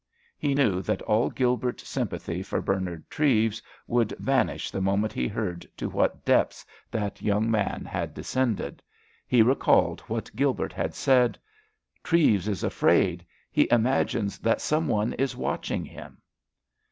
He knew that all Gilbert's sympathy for Bernard Treves would vanish the moment he heard to what depths that young man had descended. He recalled what Gilbert had said: "Treves is afraid. He imagines that some one is watching him."